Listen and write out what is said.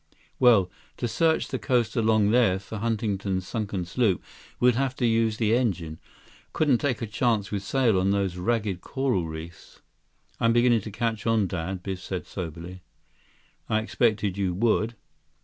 "Well, to search the coast along there for Huntington's sunken sloop, we'd have to use the engine. Couldn't take a chance with sail on those ragged coral reefs." "I'm beginning to catch on, Dad," Biff said soberly. "I expected you would."